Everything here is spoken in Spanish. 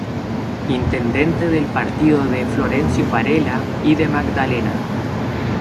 Intendente del partido de Florencio Varela y de Magdalena.